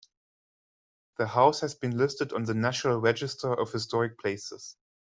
The house has been listed on the National Register of Historic Places.